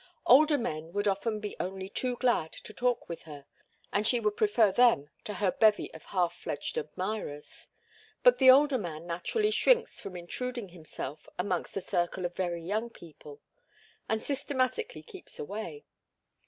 Older men would often be only too glad to talk with her, and she would prefer them to her bevy of half fledged admirers, but the older man naturally shrinks from intruding himself amongst a circle of very young people, and systematically keeps away.